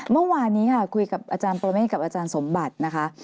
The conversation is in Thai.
เมื่อวานนี้ค่ะคุยกับอาจารย์ปรเมฆกับอาจารย์สมบัตินะคะ